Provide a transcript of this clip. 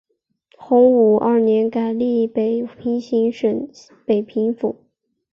洪武二年改隶北平行省北平府。